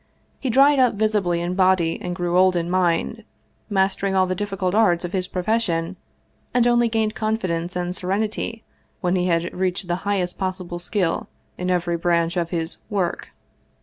He dried up vis ibly in body and grew old in mind, mastering all the dif ficult arts of his profession, and only gained confidence and serenity when he had reached the highest possible skill in every branch of his "work."